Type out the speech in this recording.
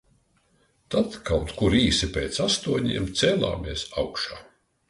Tad kaut kur īsi pēc astoņiem cēlāmies augšā.